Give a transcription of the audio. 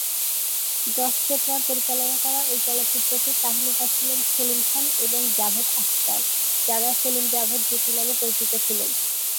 যশ চোপড়ার পরিচালনা করা এই চলচ্চিত্রটির কাহিনীকার ছিলেন সেলিম খান এবং জাভেদ আখতার, যারা সেলিম-জাভেদ জুটি নামে পরিচিত ছিলেন।